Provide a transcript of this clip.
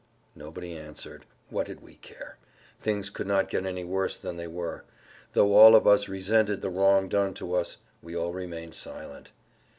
Nobody answered. What did we care? Things could not get any worse than they were. Though all of us resented the wrong done to us we all remained silent.